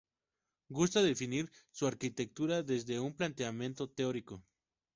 Gusta definir su arquitectura desde un planteamiento teórico.